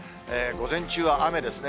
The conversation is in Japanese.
午前中は雨ですね。